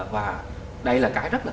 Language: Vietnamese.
và đây là cái rất là